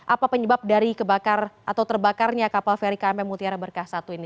apa penyebab dari kebakar atau terbakarnya kapal feri kmp mutiara berkah satu ini